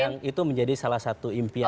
yang itu menjadi salah satu impian